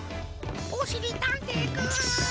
おしりたんていくん。